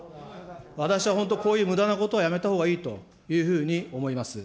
私は本当、こういうむだなことはやめたほうがいいというふうに思います。